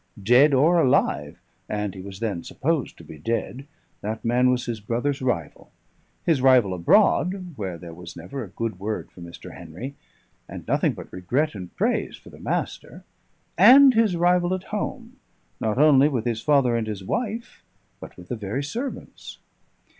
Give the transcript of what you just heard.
Dead or alive (and he was then supposed to be dead) that man was his brother's rival: his rival abroad, where there was never a good word for Mr. Henry, and nothing but regret and praise for the Master; and his rival at home, not only with his father and his wife, but with the very servants.